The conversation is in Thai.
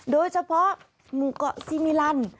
โดยเฉพาะหมู่เกาะซีมิลัน